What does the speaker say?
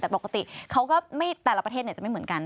แต่ปกติเขาก็แต่ละประเทศจะไม่เหมือนกัน